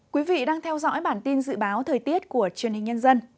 quý vị đang theo dõi bản tin dự báo thời tiết của truyền hình nhân dân